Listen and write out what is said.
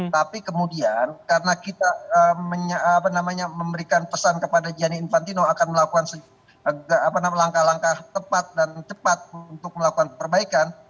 tapi kemudian karena kita memberikan pesan kepada gianni infantino akan melakukan langkah langkah tepat dan cepat untuk melakukan perbaikan